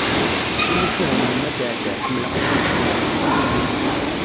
Timucuha n yemma Daɛda ḥemmleɣ ad asent-sleɣ.